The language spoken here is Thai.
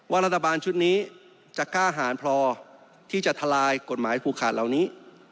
รัฐบาลชุดนี้จะกล้าหารพอที่จะทลายกฎหมายผูกขาดเหล่านี้